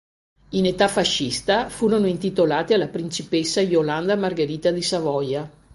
In età fascista furono intitolati alla principessa Iolanda Margherita di Savoia.